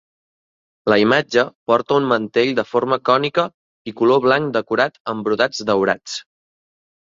La imatge porta un mantell de forma cònica i color blanc decorat amb brodats daurats.